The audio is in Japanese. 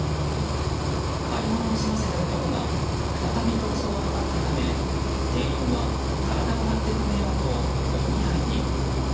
買い物を済ませた男が再び逃走を図ったため店員は体を張って止めようともみ合いに。